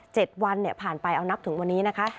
๗วันเนี่ยผ่านไปเอานับถึงวันนี้นะคะ